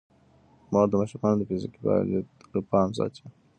مور د ماشومانو د فزیکي فعالیت پام ساتي.